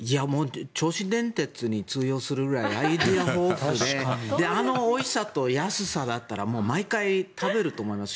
銚子電鉄に通用するくらいアイデア豊富であのおいしさと安さだったら毎回食べると思います。